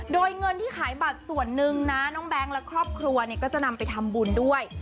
โดยเงินที่ขายบัตรส่วนหนึ่งนะน้องแบงค์และครอบครัวเนี่ยก็จะนำไปทำบุญด้วย